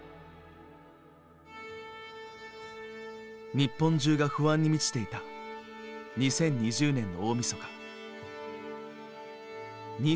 日本中が不安に満ちていた２０２０年の大みそか。